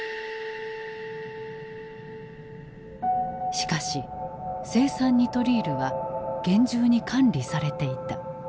しかし青酸ニトリールは厳重に管理されていた。